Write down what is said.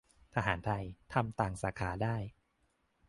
- ทหารไทย ทำต่างสาขาได้